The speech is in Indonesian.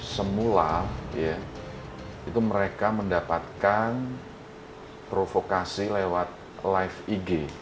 semula itu mereka mendapatkan provokasi lewat live ig